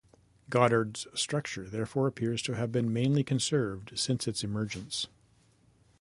Goddard’s structure therefore appears to have been mainly conserved since its emergence.